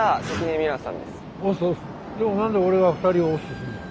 でも何で俺が２人を押忍するの？